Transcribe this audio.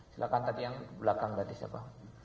silakan tadi yang belakang tadi siapa